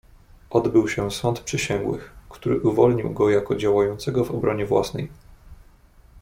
"Odbył się sąd przysięgłych, który uwolnił go jako działającego w obronie własnej."